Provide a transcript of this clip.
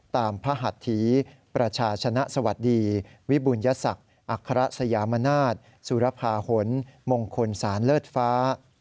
พระหัตถีประชาชนสวัสดีวิบุญยศักดิ์อัครสยามนาศสุรภาหลมงคลศาลเลิศฟ้า